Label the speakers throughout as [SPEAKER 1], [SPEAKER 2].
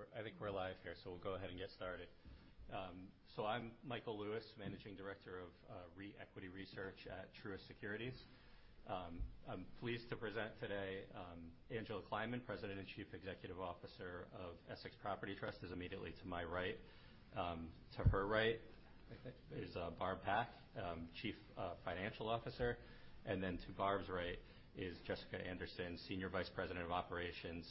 [SPEAKER 1] We're green. I think we're live here, so we'll go ahead and get started. I'm Michael Lewis, Managing Director of Equity Research at Truist Securities. I'm pleased to present today Angela Kleiman, President and Chief Executive Officer of Essex Property Trust, who's immediately to my right. To her right, I think, is Barb Pak, Chief Financial Officer. And then to Barb's right is Jessica Anderson, Senior Vice President of Operations.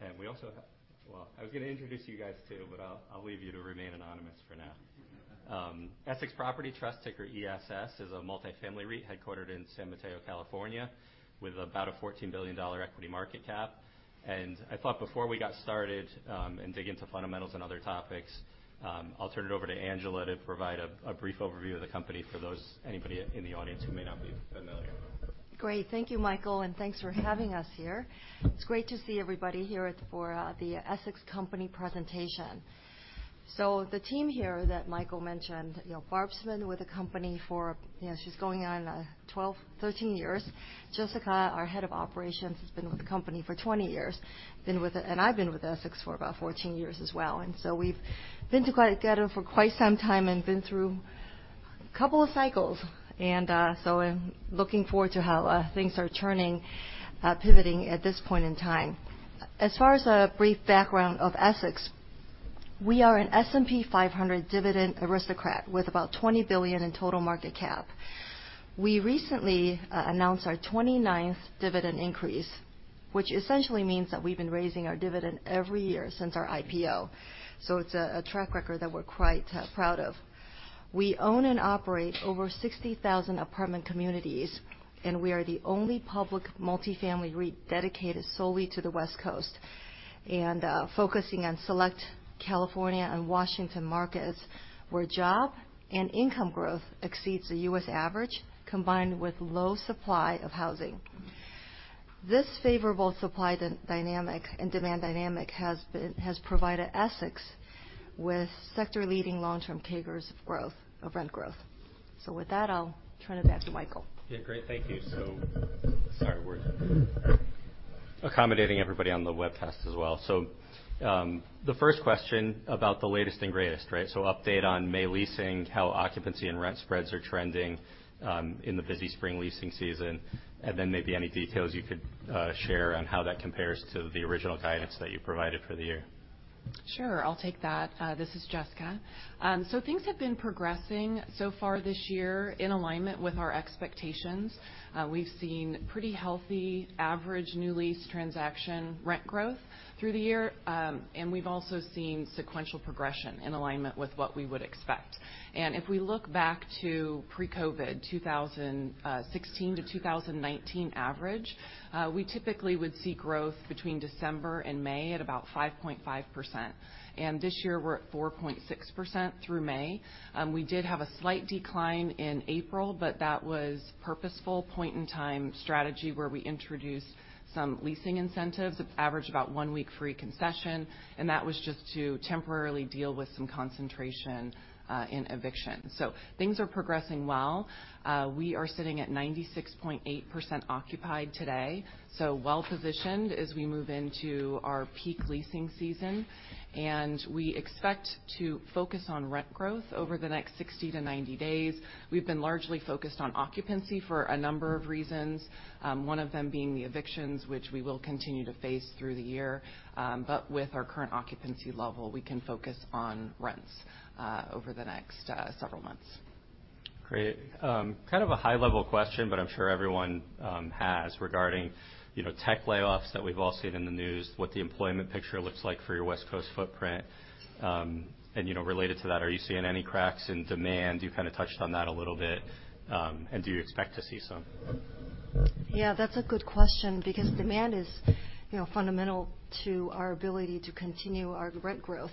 [SPEAKER 1] And we also have, well, I was gonna introduce you guys too, but I'll leave you to remain anonymous for now. Essex Property Trust, ticker ESS, is a multifamily REIT headquartered in San Mateo, California, with about a $14 billion equity market cap. I thought before we got started and dig into fundamentals and other topics. I'll turn it over to Angela to provide a brief overview of the company for those, anybody in the audience who may not be familiar.
[SPEAKER 2] Great. Thank you, Michael, and thanks for having us here. It's great to see everybody here at the Essex Company Presentation. So the team here that Michael mentioned, you know, Barb's been with the company for, you know, she's going on 12, 13 years. Jessica, our Head of Operations, has been with the company for 20 years. Been with—and I've been with Essex for about 14 years as well. And so we've been together for quite some time and been through a couple of cycles. And so I'm looking forward to how things are turning, pivoting at this point in time. As far as a brief background of Essex, we are an S&P 500 Dividend Aristocrat with about $20 billion in total market cap. We recently announced our 29th dividend increase, which essentially means that we've been raising our dividend every year since our IPO. It's a track record that we're quite proud of. We own and operate over 60,000 apartment communities, and we are the only public multifamily REIT dedicated solely to the West Coast, focusing on select California and Washington markets where job and income growth exceeds the U.S. average, combined with low supply of housing. This favorable supply-demand dynamic has provided Essex with sector-leading long-term kickers of growth, of rent growth. So with that, I'll turn it back to Michael.
[SPEAKER 1] Yeah. Great. Thank you. So sorry, we're accommodating everybody on the webcast as well. So, the first question about the latest and greatest, right? So update on May leasing, how occupancy and rent spreads are trending, in the busy spring leasing season, and then maybe any details you could share on how that compares to the original guidance that you provided for the year.
[SPEAKER 3] Sure. I'll take that. This is Jessica. So things have been progressing so far this year in alignment with our expectations. We've seen pretty healthy average new lease transaction rent growth through the year. And we've also seen sequential progression in alignment with what we would expect. And if we look back to pre-COVID, 2016 to 2019 average, we typically would see growth between December and May at about 5.5%. And this year we're at 4.6% through May. We did have a slight decline in April, but that was purposeful point-in-time strategy where we introduced some leasing incentives that average about one-week free concession. And that was just to temporarily deal with some concentration in eviction. So things are progressing well. We are sitting at 96.8% occupied today, so well-positioned as we move into our peak leasing season. And we expect to focus on rent growth over the next 60 to 90 days. We've been largely focused on occupancy for a number of reasons, one of them being the evictions, which we will continue to face through the year. But with our current occupancy level, we can focus on rents over the next several months.
[SPEAKER 1] Great. Kind of a high-level question, but I'm sure everyone has regarding, you know, tech layoffs that we've all seen in the news, what the employment picture looks like for your West Coast footprint. And, you know, related to that, are you seeing any cracks in demand? You kind of touched on that a little bit. And do you expect to see some?
[SPEAKER 2] Yeah. That's a good question because demand is, you know, fundamental to our ability to continue our rent growth.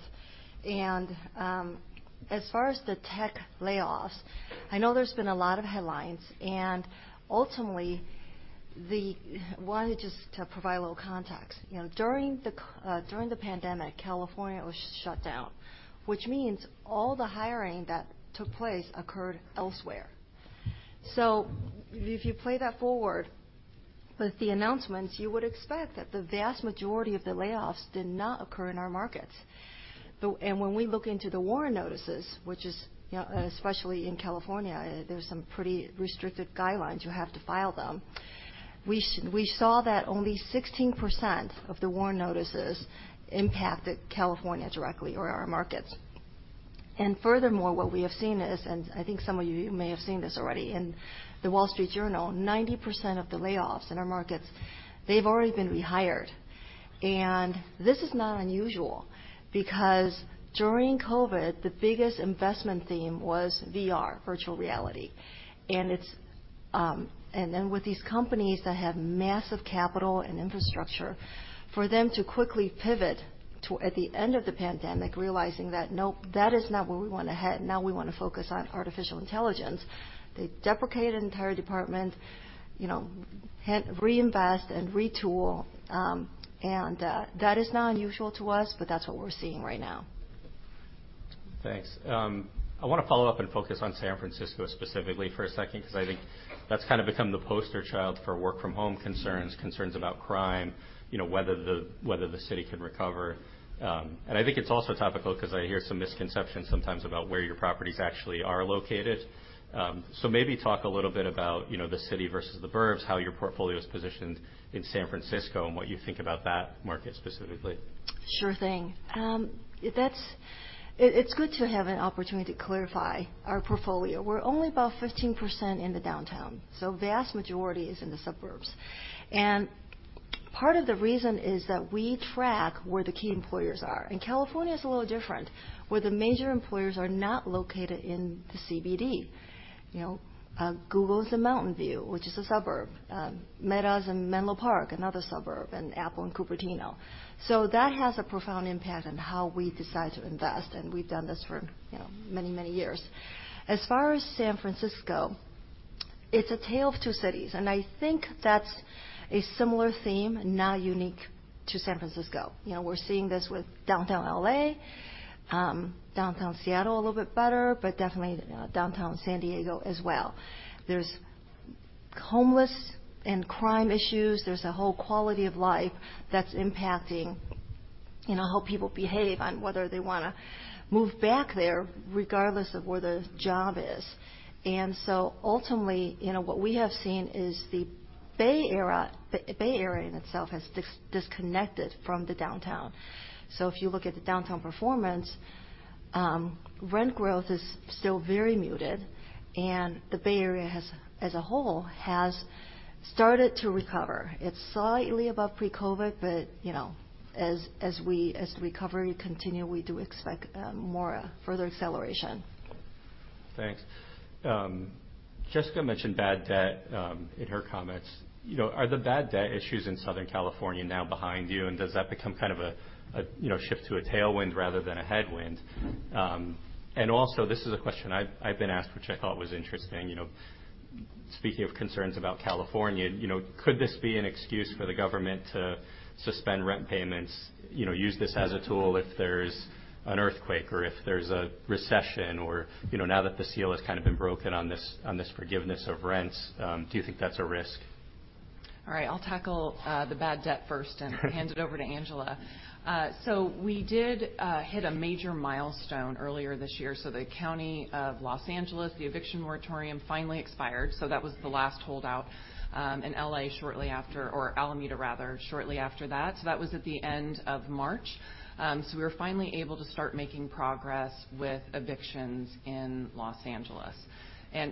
[SPEAKER 2] And, as far as the tech layoffs, I know there's been a lot of headlines. And ultimately, why just provide a little context? You know, during the pandemic, California was shut down, which means all the hiring that took place occurred elsewhere. So if you play that forward with the announcements, you would expect that the vast majority of the layoffs did not occur in our markets. And when we look into the WARN notices, which is, you know, especially in California, there's some pretty restrictive guidelines. You have to file them. We saw that only 16% of the WARN notices impacted California directly or our markets. And furthermore, what we have seen is, and I think some of you may have seen this already in the Wall Street Journal, 90% of the layoffs in our markets, they've already been rehired. And this is not unusual because during COVID, the biggest investment theme was VR, Virtual Reality. And it's, and then with these companies that have massive capital and infrastructure, for them to quickly pivot to, at the end of the pandemic, realizing that, "Nope, that is not where we wanna head. Now we wanna focus on artificial intelligence," they deprecate an entire department, you know, reinvest and retool, and that is not unusual to us, but that's what we're seeing right now.
[SPEAKER 1] Thanks. I wanna follow up and focus on San Francisco specifically for a second 'cause I think that's kind of become the poster child for work-from-home concerns, concerns about crime, you know, whether the city can recover. And I think it's also topical 'cause I hear some misconceptions sometimes about where your properties actually are located. So maybe talk a little bit about, you know, the city versus the burbs, how your portfolio's positioned in San Francisco, and what you think about that market specifically.
[SPEAKER 2] Sure thing. That's. It's good to have an opportunity to clarify our portfolio. We're only about 15% in the downtown, so the vast majority is in the suburbs, and part of the reason is that we track where the key employers are, and California's a little different where the major employers are not located in the CBD. You know, Google's in Mountain View, which is a suburb. Meta's in Menlo Park, another suburb, and Apple in Cupertino, so that has a profound impact on how we decide to invest, and we've done this for, you know, many, many years. As far as San Francisco, it's a tale of two cities, and I think that's a similar theme, not unique to San Francisco. You know, we're seeing this with downtown L.A., downtown Seattle a little bit better, but definitely, you know, downtown San Diego as well. There's homeless and crime issues. There's a whole quality of life that's impacting, you know, how people behave on whether they wanna move back there regardless of where their job is, and so ultimately, you know, what we have seen is the Bay Area in itself has disconnected from the downtown, so if you look at the downtown performance, rent growth is still very muted, and the Bay Area, as a whole, has started to recover. It's slightly above pre-COVID, but, you know, as the recovery continues, we do expect more further acceleration.
[SPEAKER 1] Thanks. Jessica mentioned bad debt in her comments. You know, are the bad debt issues in Southern California now behind you? And does that become kind of a, you know, shift to a tailwind rather than a headwind? And also, this is a question I've been asked, which I thought was interesting. You know, speaking of concerns about California, you know, could this be an excuse for the government to suspend rent payments, you know, use this as a tool if there's an earthquake or if there's a recession or, you know, now that the seal has kind of been broken on this forgiveness of rents? Do you think that's a risk?
[SPEAKER 3] All right. I'll tackle the bad debt first and hand it over to Angela. So we did hit a major milestone earlier this year. So the County of Los Angeles eviction moratorium finally expired. So that was the last holdout. And L.A. shortly after—or Alameda, rather, shortly after that. So that was at the end of March. So we were finally able to start making progress with evictions in Los Angeles. And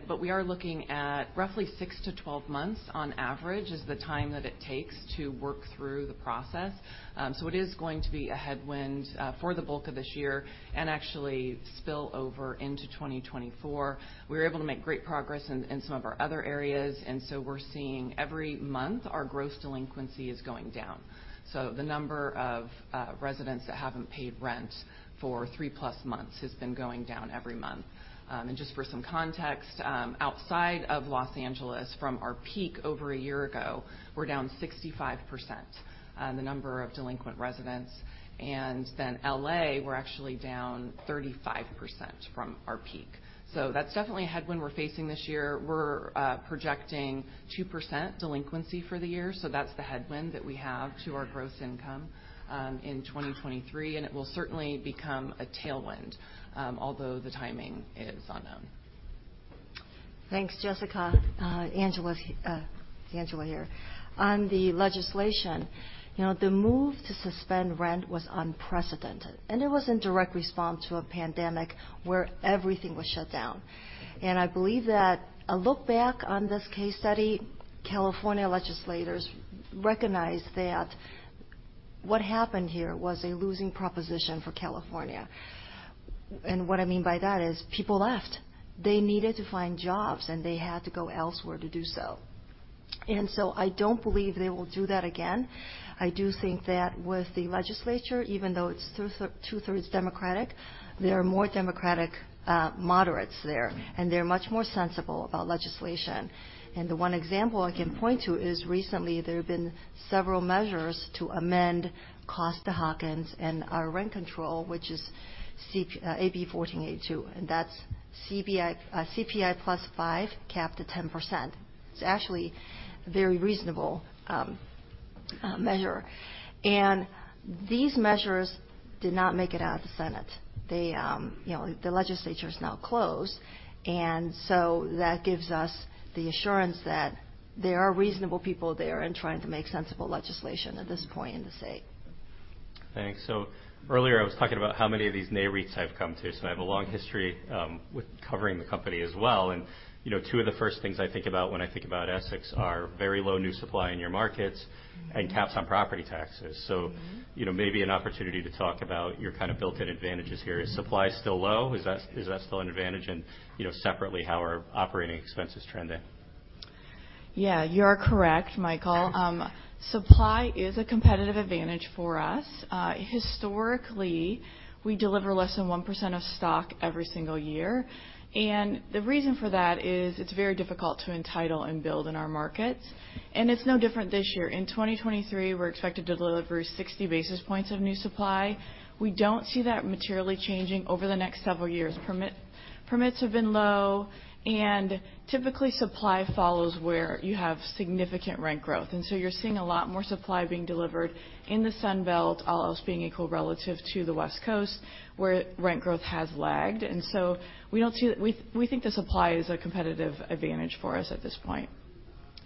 [SPEAKER 3] but we are looking at roughly six to 12 months on average is the time that it takes to work through the process. So it is going to be a headwind for the bulk of this year and actually spill over into 2024. We were able to make great progress in some of our other areas. And so we're seeing every month our gross delinquency is going down. So the number of residents that haven't paid rent for three-plus months has been going down every month. And just for some context, outside of Los Angeles, from our peak over a year ago, we're down 65%, the number of delinquent residents. And then L.A., we're actually down 35% from our peak. So that's definitely a headwind we're facing this year. We're projecting 2% delinquency for the year. So that's the headwind that we have to our gross income in 2023. And it will certainly become a tailwind, although the timing is unknown.
[SPEAKER 2] Thanks, Jessica. Angela here. On the legislation, you know, the move to suspend rent was unprecedented. And it was in direct response to a pandemic where everything was shut down. And I believe that a look back on this case study, California legislators recognized that what happened here was a losing proposition for California. And what I mean by that is people left. They needed to find jobs, and they had to go elsewhere to do so. And so I don't believe they will do that again. I do think that with the legislature, even though it's two-thirds Democratic, there are more Democratic moderates there. And they're much more sensible about legislation. And the one example I can point to is recently there have been several measures to amend Costa-Hawkins and our rent control, which is CPI, AB 1482. That's CPI plus 5% capped at 10%. It's actually a very reasonable measure. These measures did not make it out of the Senate. They, you know, the legislature's now closed. And so that gives us the assurance that there are reasonable people there and trying to make sensible legislation at this point in the state.
[SPEAKER 1] Thanks. So earlier, I was talking about how many of these REITs I've come to. So I have a long history with covering the company as well. And, you know, two of the first things I think about when I think about Essex are very low new supply in your markets and caps on property taxes. So, you know, maybe an opportunity to talk about your kind of built-in advantages here. Is supply still low? Is that—is that still an advantage? And, you know, separately, how are operating expenses trending?
[SPEAKER 2] Yeah. You are correct, Michael. Supply is a competitive advantage for us. Historically, we deliver less than 1% of stock every single year. And the reason for that is it's very difficult to entitle and build in our markets. And it's no different this year. In 2023, we're expected to deliver 60 basis points of new supply. We don't see that materially changing over the next several years. Permits have been low. And typically, supply follows where you have significant rent growth. And so you're seeing a lot more supply being delivered in the Sunbelt, all else being equal relative to the West Coast, where rent growth has lagged. And so we don't see that. We think the supply is a competitive advantage for us at this point.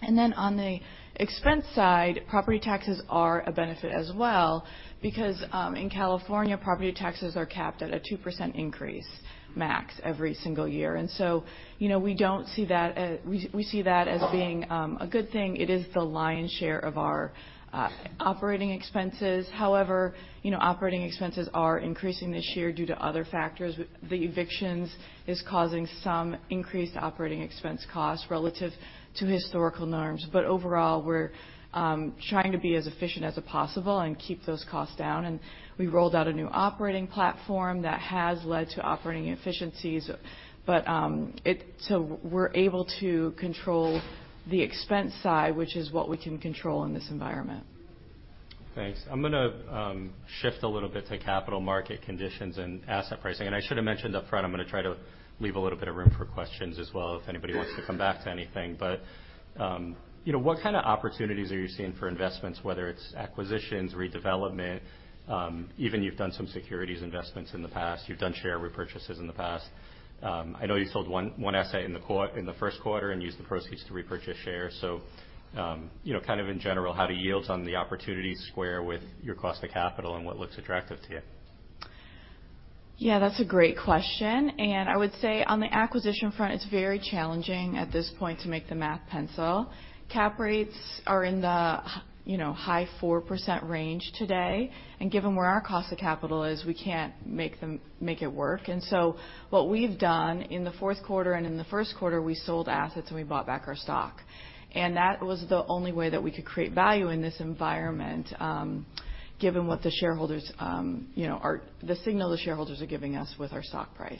[SPEAKER 2] And then on the expense side, property taxes are a benefit as well because, in California, property taxes are capped at a 2% increase max every single year. And so, you know, we don't see that as, we see that as being a good thing. It is the lion's share of our operating expenses. However, you know, operating expenses are increasing this year due to other factors. The evictions are causing some increased operating expense costs relative to historical norms. But overall, we're trying to be as efficient as possible and keep those costs down. And we rolled out a new operating platform that has led to operating efficiencies. But it so we're able to control the expense side, which is what we can control in this environment.
[SPEAKER 1] Thanks. I'm gonna shift a little bit to capital market conditions and asset pricing, and I should have mentioned upfront, I'm gonna try to leave a little bit of room for questions as well if anybody wants to come back to anything, but you know, what kind of opportunities are you seeing for investments, whether it's acquisitions, redevelopment? Even you've done some securities investments in the past. You've done share repurchases in the past. I know you sold one asset in the first quarter and used the proceeds to repurchase shares. So you know, kind of in general, how do yields on the opportunities square with your cost of capital and what looks attractive to you?
[SPEAKER 2] Yeah. That's a great question. And I would say on the acquisition front, it's very challenging at this point to make the math pencil. Cap rates are in the, you know, high 4% range today. And given where our cost of capital is, we can't make them, make it work. And so what we've done in the fourth quarter and in the first quarter, we sold assets and we bought back our stock. And that was the only way that we could create value in this environment, given what the shareholders, you know, are, the signal the shareholders are giving us with our stock price.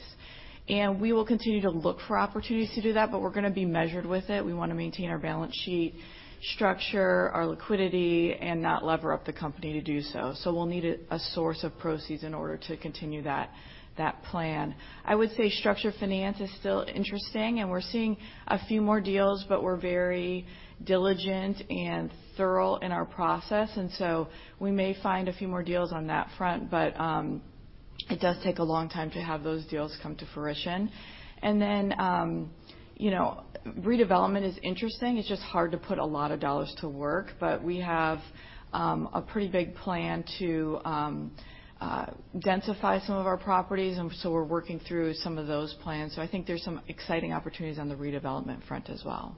[SPEAKER 2] And we will continue to look for opportunities to do that, but we're gonna be measured with it. We wanna maintain our balance sheet structure, our liquidity, and not lever up the company to do so. We'll need a source of proceeds in order to continue that plan. I would say structured finance is still interesting. We're seeing a few more deals, but we're very diligent and thorough in our process. We may find a few more deals on that front. It does take a long time to have those deals come to fruition. You know, redevelopment is interesting. It's just hard to put a lot of dollars to work. We have a pretty big plan to densify some of our properties. We're working through some of those plans. I think there's some exciting opportunities on the redevelopment front as well.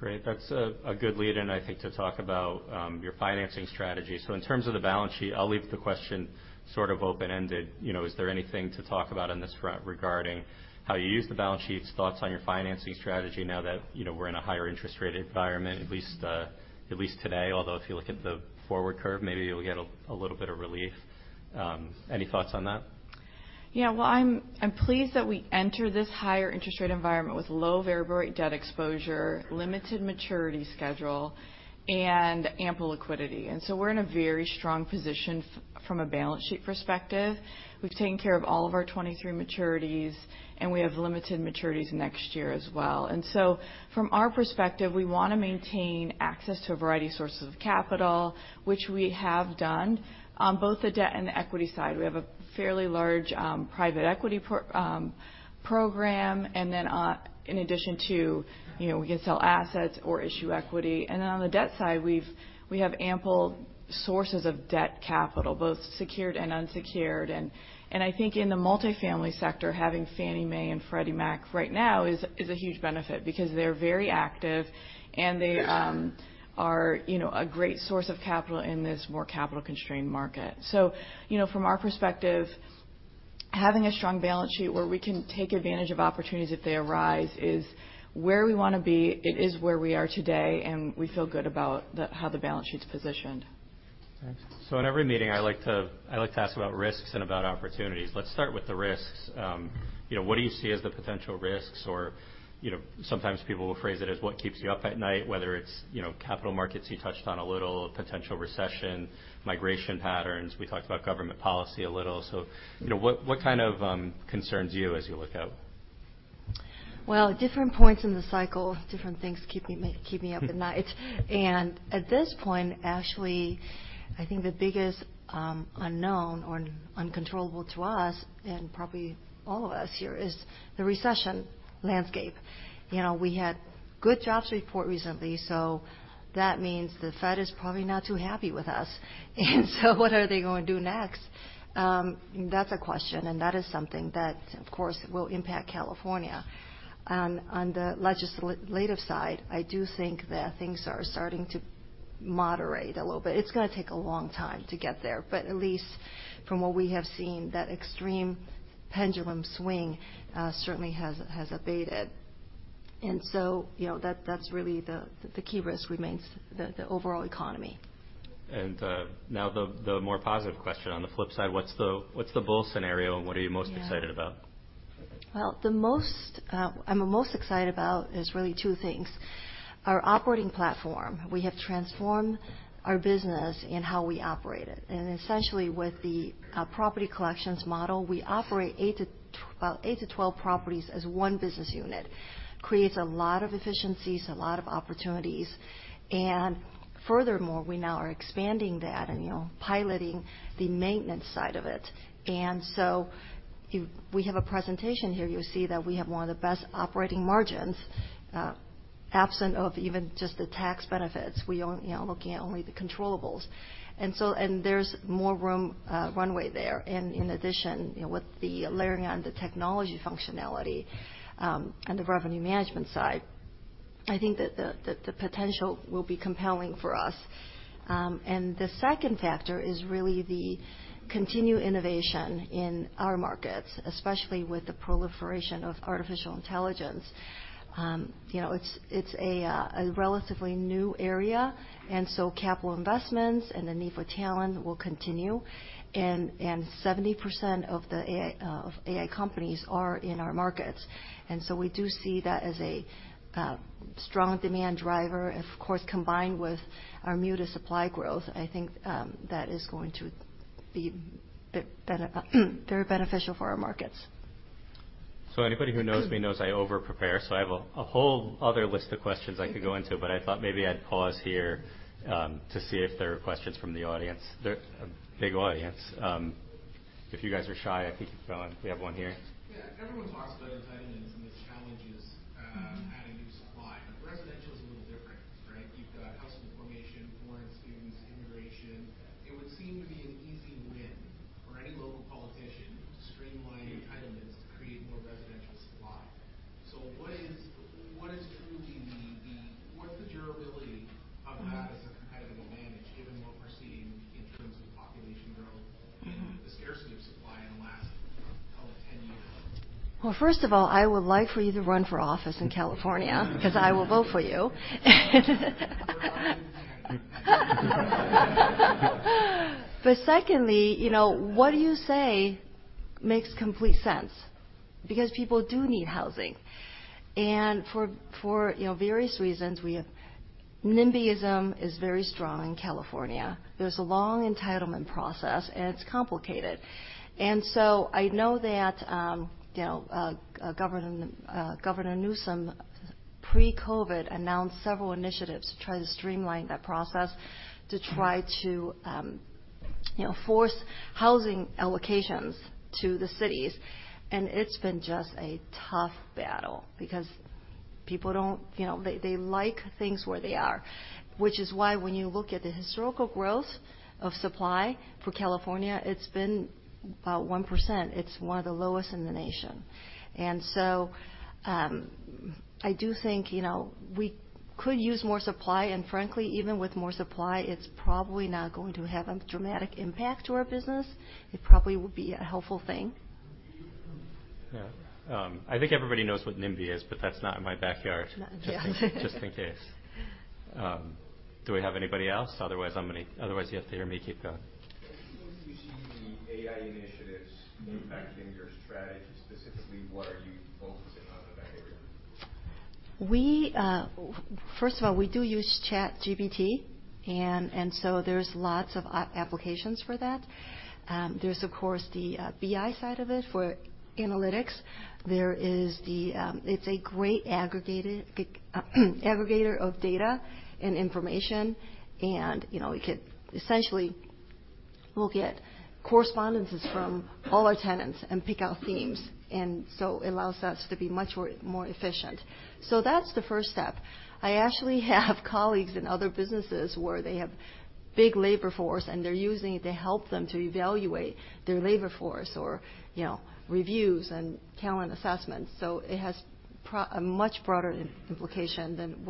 [SPEAKER 1] Great. That's a good lead, and I think to talk about your financing strategy. So in terms of the balance sheet, I'll leave the question sort of open-ended. You know, is there anything to talk about on this front regarding how you use the balance sheets, thoughts on your financing strategy now that, you know, we're in a higher interest rate environment, at least today? Although if you look at the forward curve, maybe you'll get a little bit of relief. Any thoughts on that?
[SPEAKER 2] Yeah. I'm pleased that we entered this higher interest rate environment with low variable rate debt exposure, limited maturity schedule, and ample liquidity. So we're in a very strong position from a balance sheet perspective. We've taken care of all of our 2023 maturities, and we have limited maturities next year as well. So from our perspective, we wanna maintain access to a variety of sources of capital, which we have done on both the debt and the equity side. We have a fairly large private equity program. Then, in addition to, you know, we can sell assets or issue equity. Then on the debt side, we have ample sources of debt capital, both secured and unsecured. I think in the multifamily sector, having Fannie Mae and Freddie Mac right now is a huge benefit because they're very active and they are, you know, a great source of capital in this more capital-constrained market. So, you know, from our perspective, having a strong balance sheet where we can take advantage of opportunities if they arise is where we wanna be. It is where we are today. We feel good about how the balance sheet's positioned.
[SPEAKER 1] Thanks. So in every meeting, I like to, I like to ask about risks and about opportunities. Let's start with the risks. You know, what do you see as the potential risks? Or, you know, sometimes people will phrase it as what keeps you up at night, whether it's, you know, capital markets you touched on a little, potential recession, migration patterns. We talked about government policy a little. So, you know, what kind of concerns you as you look out?
[SPEAKER 2] Different points in the cycle, different things keep me up at night. And at this point, actually, I think the biggest unknown or uncontrollable to us, and probably all of us here, is the recession landscape. You know, we had good jobs report recently. So that means the Fed is probably not too happy with us. And so what are they gonna do next? That's a question. And that is something that, of course, will impact California. On the legislative side, I do think that things are starting to moderate a little bit. It's gonna take a long time to get there. But at least from what we have seen, that extreme pendulum swing certainly has abated. And so, you know, that's really the key risk remains the overall economy.
[SPEAKER 1] Now the more positive question. On the flip side, what's the bull scenario and what are you most excited about?
[SPEAKER 2] I'm most excited about really two things. Our operating platform. We have transformed our business in how we operate it. Essentially, with the Property Collections model, we operate 8-12 properties as one business unit. Creates a lot of efficiencies, a lot of opportunities. Furthermore, we now are expanding that and, you know, piloting the maintenance side of it. So if we have a presentation here, you'll see that we have one of the best operating margins, absent of even just the tax benefits. We only, you know, looking at only the controllables. So there's more room, runway there. In addition, you know, with the layering on the technology functionality, and the revenue management side, I think that the potential will be compelling for us. And the second factor is really the continued innovation in our markets, especially with the proliferation of artificial intelligence. You know, it's a relatively new area. And so capital investments and the need for talent will continue. And 70% of the AI companies are in our markets. And so we do see that as a strong demand driver. Of course, combined with our low supply growth, I think that is going to be been very beneficial for our markets.
[SPEAKER 1] So anybody who knows me knows I overprepare. So I have a whole other list of questions I could go into. But I thought maybe I'd pause here, to see if there are questions from the audience. They're a big audience. If you guys are shy, I think you've gone. We have one here. Yeah. Everyone talks about entitlements and the challenges, adding new supply. But residential is a little different, right? You've got household formation, foreign students, immigration. It would seem to be an easy win for any local politician to streamline entitlements to create more residential supply. So what is truly the durability of that as a competitive advantage given what we're seeing in terms of population growth and the scarcity of supply in the last, oh, 10 years?
[SPEAKER 2] First of all, I would like for you to run for office in California because I will vote for you. But secondly, you know, what do you say makes complete sense? Because people do need housing. And for, you know, various reasons, we have NIMBYism is very strong in California. There's a long entitlement process, and it's complicated. And so I know that, you know, Governor Newsom, pre-COVID, announced several initiatives to try to streamline that process to try to, you know, force housing allocations to the cities. And it's been just a tough battle because people don't, you know, they like things where they are. Which is why when you look at the historical growth of supply for California, it's been about 1%. It's one of the lowest in the nation. And so, I do think, you know, we could use more supply. And frankly, even with more supply, it's probably not going to have a dramatic impact to our business. It probably would be a helpful thing.
[SPEAKER 1] Yeah. I think everybody knows what NIMBY is, but that's Not In My Backyard.
[SPEAKER 2] Not in your backyard.
[SPEAKER 1] Just in case. Do we have anybody else? Otherwise, I'm gonna otherwise, you have to hear me keep going. What do you see the AI initiatives impacting your strategy? Specifically, what are you focusing on in that area?
[SPEAKER 2] We first of all do use ChatGPT, and so there's lots of applications for that. There's, of course, the BI side of it for analytics. It's a great aggregator of data and information, you know. We could essentially look at correspondences from all our tenants and pick out themes, and so it allows us to be much more efficient, so that's the first step. I actually have colleagues in other businesses where they have big labor force, and they're using it to help them to evaluate their labor force or, you know, reviews and talent assessments, so it has a much broader implication than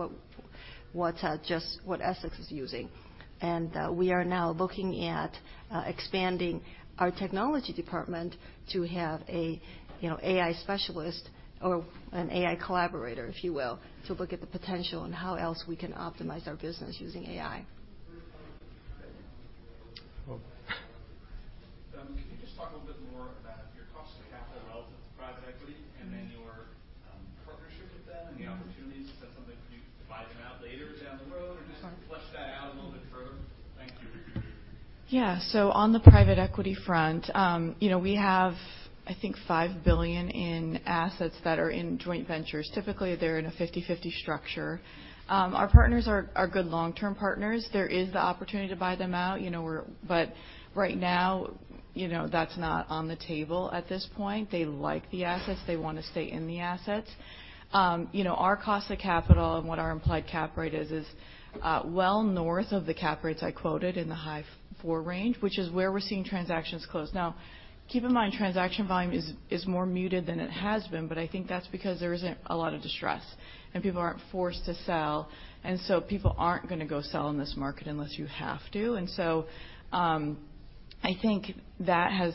[SPEAKER 2] just what Essex is using. We are now looking at expanding our technology department to have a, you know, AI specialist or an AI collaborator, if you will, to look at the potential and how else we can optimize our business using AI. Great. Can you just talk a little bit more about your cost of capital relative to private equity and then your partnership with them and the opportunities? Is that something you could divide them out later down the road or just flesh that out a little bit further? Thank you. Yeah, so on the private equity front, you know, we have, I think, $5 billion in assets that are in joint ventures. Typically, they're in a 50/50 structure. Our partners are good long-term partners. There is the opportunity to buy them out. You know, we're, but right now, you know, that's not on the table at this point. They like the assets. They wanna stay in the assets. You know, our cost of capital and what our implied cap rate is well north of the cap rates I quoted in the high four range, which is where we're seeing transactions close. Now, keep in mind, transaction volume is more muted than it has been, but I think that's because there isn't a lot of distress, and people aren't forced to sell. And so people aren't gonna go sell in this market unless you have to. And so, I think that's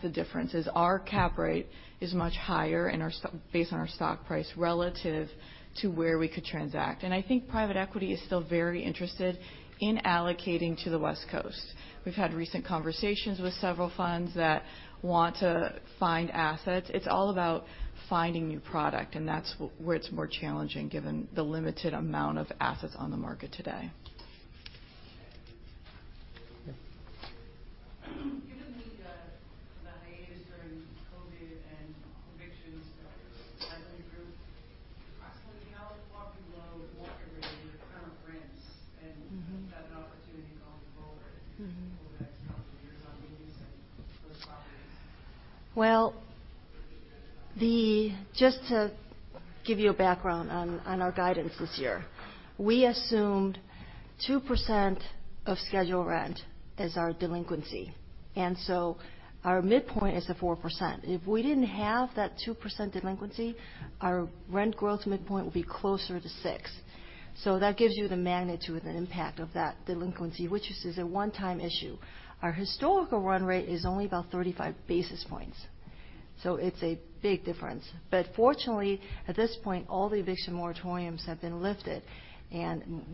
[SPEAKER 2] the difference is our cap rate is much higher and our stock, based on our stock price relative to where we could transact, and I think private equity is still very interested in allocating to the West Coast. We've had recent conversations with several funds that want to find assets. It's all about finding new product, and that's where it's more challenging given the limited amount of assets on the market today. Given the hiatus during COVID and evictions that has improved, approximately how far below mortgage rates current rents? And is that an opportunity going forward over the next couple of years on these and those properties? To give you a background on our guidance this year, we assumed 2% of scheduled rent as our delinquency. So our midpoint is at 4%. If we didn't have that 2% delinquency, our rent growth midpoint would be closer to 6%. That gives you the magnitude and the impact of that delinquency, which is a one-time issue. Our historical run rate is only about 35 basis points. It's a big difference. Fortunately, at this point, all the eviction moratoriums have been lifted.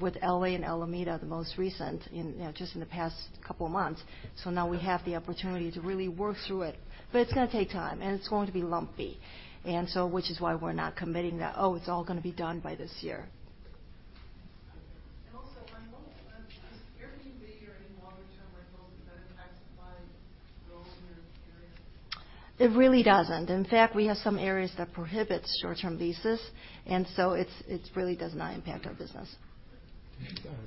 [SPEAKER 2] With L.A. and Alameda, the most recent in, you know, just in the past couple of months. Now we have the opportunity to really work through it. It's gonna take time, and it's going to be lumpy. Which is why we're not committing that, "Oh, it's all gonna be done by this year. And also, on one of the, is Airbnb or any longer-term rentals that impact supply growth in your area? It really doesn't. In fact, we have some areas that prohibit short-term leases. And so it's, it really does not impact our business.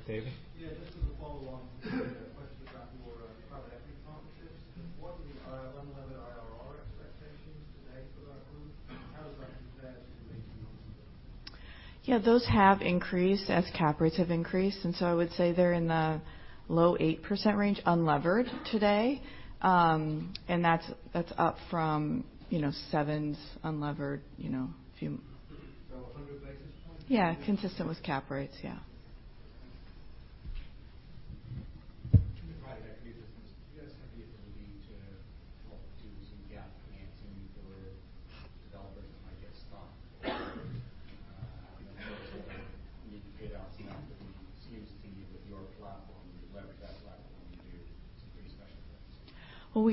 [SPEAKER 1] David? Yeah. Just as a follow-up to the question about your private equity partnerships. What are unlevered IRR expectations today for that group? How does that compare to the 18 months ago?
[SPEAKER 2] Yeah. Those have increased as cap rates have increased. And so I would say they're in the low 8% range unlevered today. And that's up from, you know, sevens unlevered, you know, a few. 100 basis points?
[SPEAKER 3] Yeah. Consistent with cap rates. Yeah.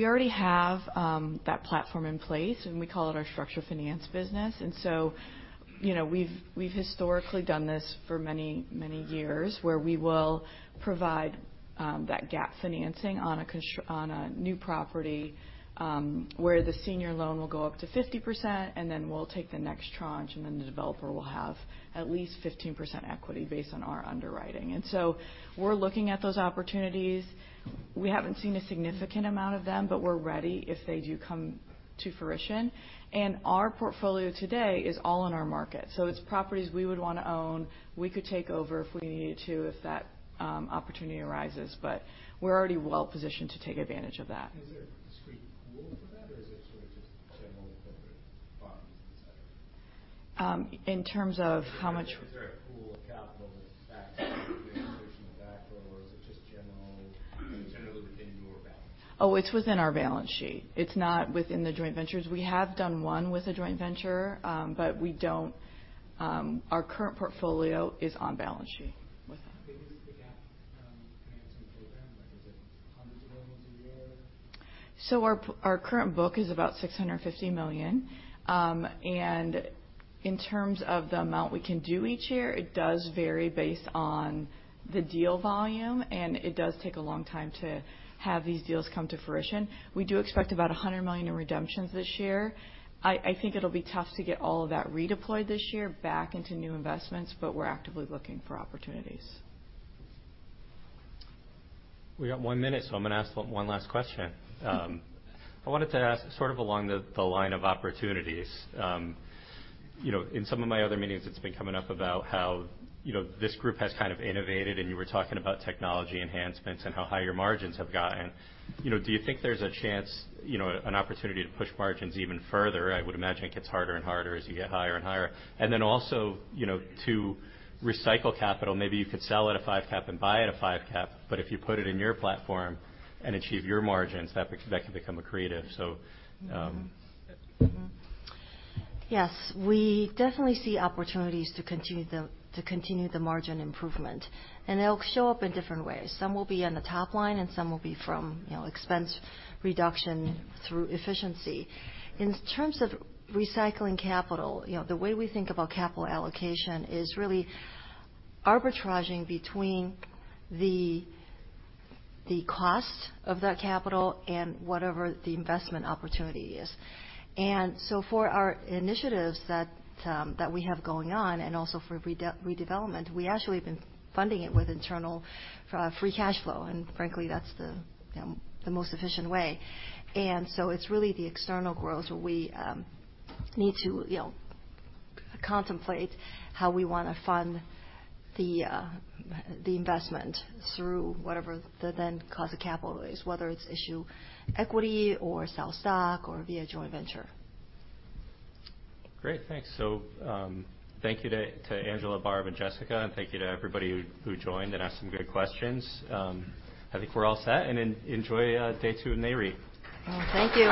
[SPEAKER 3] Can the private equity business you guys have the ability to help do some gap financing for developers that might get stuck or need to pay down stuff that seems to be with your platform, leverage that platform to do some pretty special things?
[SPEAKER 2] We already have that platform in place. We call it our structured finance business. You know, we've historically done this for many years where we will provide that gap financing on a construction on a new property, where the senior loan will go up to 50%. We'll take the next tranche. The developer will have at least 15% equity based on our underwriting. We're looking at those opportunities. We haven't seen a significant amount of them, but we're ready if they do come to fruition. Our portfolio today is all in our market. It's properties we would wanna own. We could take over if we needed to if that opportunity arises. We're already well-positioned to take advantage of that. Is there a discrete pool for that, or is it sort of just general corporate funds etc.? In terms of how much? Is there a pool of capital that's backed by your traditional backer, or is it just general? Generally, within your balance sheet? Oh, it's within our balance sheet. It's not within the joint ventures. We have done one with a joint venture, but we don't, our current portfolio is on balance sheet with them. big is the gap financing program? Like, is it hundreds of millions a year? Our current book is about $650 million, and in terms of the amount we can do each year, it does vary based on the deal volume, and it does take a long time to have these deals come to fruition. We do expect about $100 million in redemptions this year. I think it'll be tough to get all of that redeployed this year back into new investments, but we're actively looking for opportunities.
[SPEAKER 1] We got one minute, so I'm gonna ask one last question. I wanted to ask sort of along the line of opportunities. You know, in some of my other meetings, it's been coming up about how, you know, this group has kind of innovated. And you were talking about technology enhancements and how high your margins have gotten. You know, do you think there's a chance, you know, an opportunity to push margins even further? I would imagine it gets harder and harder as you get higher and higher. And then also, you know, to recycle capital, maybe you could sell at a five-cap and buy at a five-cap. But if you put it in your platform and achieve your margins, that can become a creative. So,
[SPEAKER 2] Yes. We definitely see opportunities to continue the margin improvement. And they'll show up in different ways. Some will be on the top line, and some will be from, you know, expense reduction through efficiency. In terms of recycling capital, you know, the way we think about capital allocation is really arbitraging between the cost of that capital and whatever the investment opportunity is. And so for our initiatives that we have going on and also for redevelopment, we actually have been funding it with internal free cash flow. And frankly, that's the, you know, the most efficient way. And so it's really the external growth where we need to, you know, contemplate how we wanna fund the investment through whatever the then cost of capital is, whether it's issue equity or sell stock or via joint venture.
[SPEAKER 1] Great. Thanks. So, thank you to Angela, Barb, and Jessica. And thank you to everybody who joined and asked some good questions. I think we're all set. And enjoy day two in Nareit.
[SPEAKER 2] Thank you.